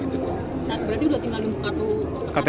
berarti udah tinggal di bukatu